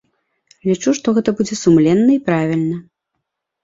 Лічу, што гэта будзе сумленна і правільна.